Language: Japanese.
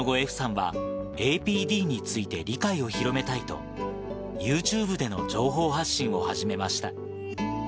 歩さんはＡＰＤについて理解を広めたいと、ユーチューブでの情報発信を始めました。